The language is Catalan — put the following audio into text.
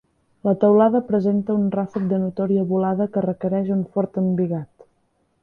La teulada presenta un ràfec de notòria volada que requereix un fort embigat.